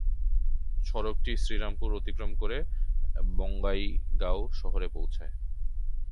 সড়কটি শ্রীরামপুর অতিক্রম করে বঙাইগাঁও শহরে পৌছায়।